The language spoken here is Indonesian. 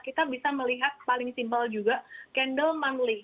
kita bisa melihat paling simpel juga candle monthly